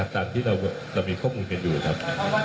ตามที่เรามีข้อมูลกันอยู่ครับ